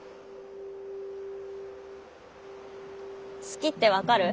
「好き」って分かる？